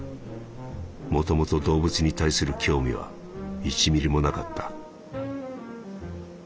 元々動物に対する興味は一ミリもなかった」。